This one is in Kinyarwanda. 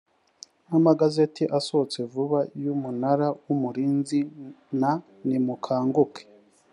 n amagazeti asohotse vuba y umunara w umurinzi na nimukanguke